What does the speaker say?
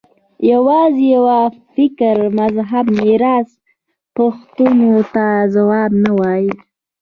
یوازې یوه فکري مذهب میراث پوښتنو ته ځواب نه ویلای